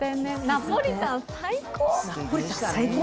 ナポリタン最高。